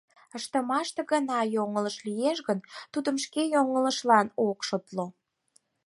Ыштымаштыже гына йоҥылыш лиеш гын, тудым шке йоҥылышыжлан ок шотло.